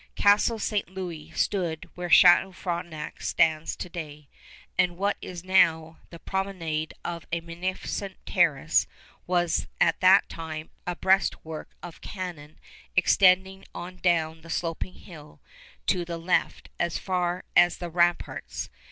Castle St. Louis stood where Château Frontenac stands to day; and what is now the promenade of a magnificent terrace was at that time a breastwork of cannon extending on down the sloping hill to the left as far as the ramparts.